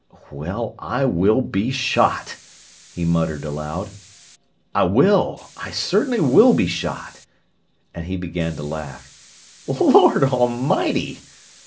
"Well, I will be shot!" he muttered aloud. "I will—I certainly will be shot!" And he began to laugh. "Lord 'lmighty!"